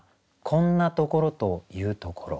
「こんなところと云ふところ」